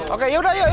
oke yaudah yuk